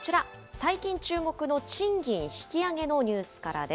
最近注目の賃金引き上げのニュースからです。